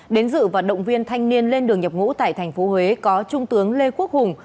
đến dự và động viên thanh niên lên đường nhập ngũ tại tp huế có trung tướng lê quốc hùng